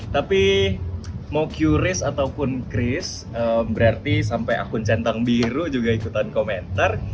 tapi mau qris ataupun chris berarti sampai akun centang biru juga ikutan komentar